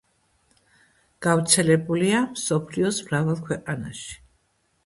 გავრცელებულია მსოფლიოს მრავალ ქვეყანაში.